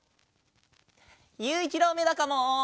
ゆういちろうめだかも。